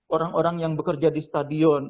orang orang yang bekerja di stadion